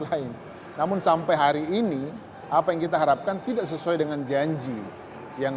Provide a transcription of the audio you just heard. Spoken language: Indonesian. lain namun sampai hari ini apa yang kita harapkan tidak sesuai dengan janji yang